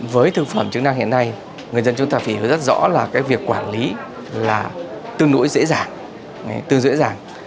với thực phẩm chứng năng hiện nay người dân chúng ta phải rất rõ là cái việc quản lý là tương đối dễ dàng